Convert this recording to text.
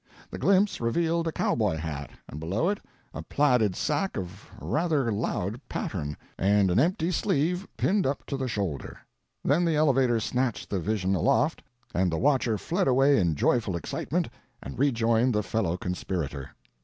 The glimpse revealed a cowboy hat, and below it a plaided sack of rather loud pattern, and an empty sleeve pinned up to the shoulder. Then the elevator snatched the vision aloft and the watcher fled away in joyful excitement, and rejoined the fellow conspirator.